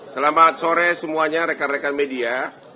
selamat sore semuanya rekan rekan media